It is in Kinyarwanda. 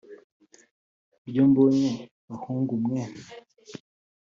Iryo mbonye (bahungu mwe